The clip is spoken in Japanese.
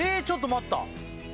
ちょっと待った！